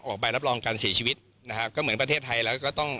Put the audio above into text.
ออกใบรับรองการเสียชีวิตนะฮะก็เหมือนประเทศไทยแล้วก็ต้อง